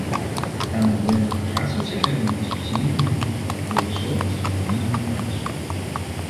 Таму вольнага часу цяпер у нас зусім няма, бо ўсё скіравана на працу.